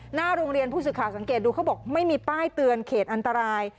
หน้าโรงเรียนผู้สื่อข่าวสังเกตดูเขาบอกไม่มีป้ายเตือนเขตอันตราย